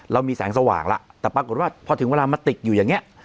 เรามีแสงสว่างแล้วแต่ปรากฏว่าพอถึงเวลามาติดอยู่อย่างนี้